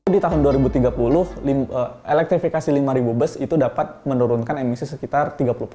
di tahun dua ribu tiga puluh elektrifikasi lima bus itu dapat menurunkan emisi sekitar tiga puluh persen